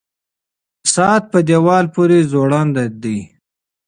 ساعت په دیوال پورې ځوړند دی.